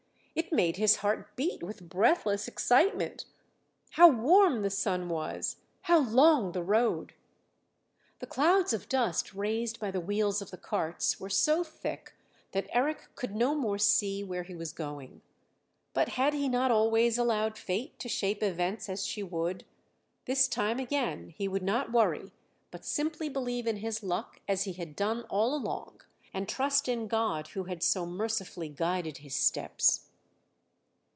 It made his heart beat with breathless excitement. How warm the sun was! How long the road! The clouds of dust raised by the wheels of the carts were so thick that Eric could no more see where he was going. But had he not always allowed Fate to shape events as she would? This time again he would not worry, but simply believe in his luck as he had done all along, and trust in God who had so mercifully guided his steps.